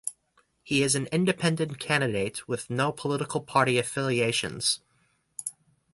He is an independent candidate with no political party affiliations.